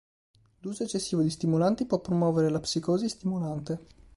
L'uso eccessivo di stimolanti può promuovere la psicosi stimolante.